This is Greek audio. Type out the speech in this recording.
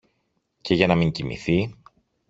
και για να μην κοιμηθεί